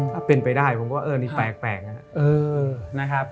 ถ้าเป็นไปได้ผมก็เออนี่แปลกนะครับ